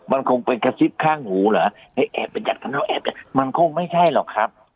มันคงเป็นกระซิบข้างหูเหรอไอ้แอบไปยัดข้างนอกแอบมันคงไม่ใช่หรอกครับ